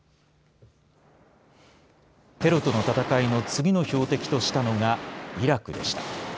テロとの戦いの次の標的としたのがイラクでした。